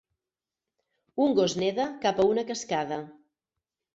Un gos neda cap a una cascada.